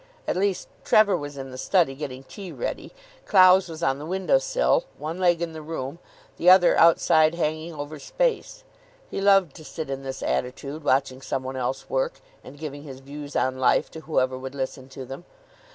At least Trevor was in the study, getting tea ready. Clowes was on the window sill, one leg in the room, the other outside, hanging over space. He loved to sit in this attitude, watching some one else work, and giving his views on life to whoever would listen to them.